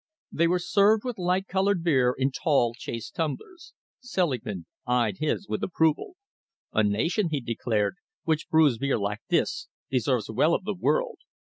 They were served with light coloured beer in tall, chased tumblers. Selingman eyed his with approval. "A nation," he declared, "which brews beer like this, deserves well of the world.